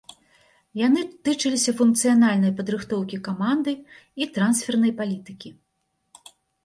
Яны тычыліся функцыянальнай падрыхтоўкі каманды і трансфернай палітыкі.